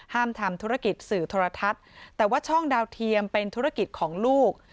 ทำธุรกิจสื่อโทรทัศน์แต่ว่าช่องดาวเทียมเป็นธุรกิจของลูก